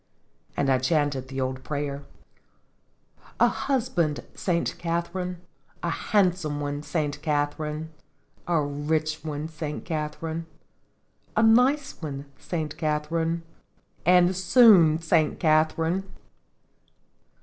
and I chanted the old prayer: "'A husband, Saint Catharine, A handsome one, Saint Catharine, A rich one, Saint Catharine, A nice one, Saint Catharine, And soon, Saint Catharine